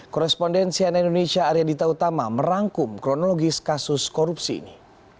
korespondensian indonesia arya dita utama merangkum kronologis kasus korupsi ini